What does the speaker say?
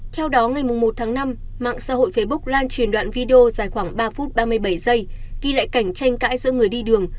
theo đó ngày một tháng năm mạng xã hội facebook lan truyền đoạn video dài khoảng ba phút ba mươi bảy giây ghi lại cảnh tranh cãi giữa người đi đường